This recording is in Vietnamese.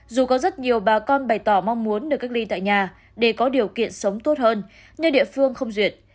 dù có rất nhiều bà con bày tỏ mong muốn được cách ly tại nhà để có điều kiện sống tốt hơn nên địa phương không duyệt